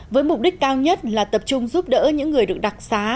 với mục đích cao nhất là tập trung giúp đỡ những người được đặc xá